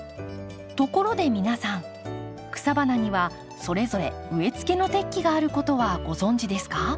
ところで皆さん草花にはそれぞれ植えつけの適期があることはご存じですか？